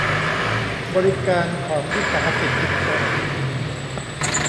บริการของวิสาหกิจชุมชน